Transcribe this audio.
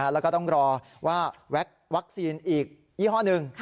แล้วก็ต้องรอว่าวัคซีนอีกยี่ห้อหนึ่ง